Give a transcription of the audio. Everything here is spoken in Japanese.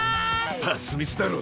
パスミスだろ。